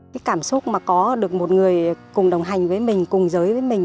cái cảm xúc mà có được một người cùng đồng hành với mình cùng giới với mình